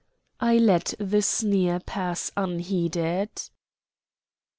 I let the sneer pass unheeded.